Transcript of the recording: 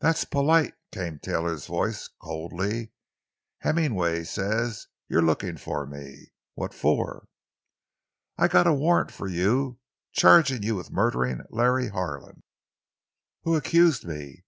"That's polite," came Taylor's voice coldly. "Hemmingway says you're looking for me. What for?" "I've got a warrant for you, chargin' you with murderin' Larry Harlan." "Who accused me?"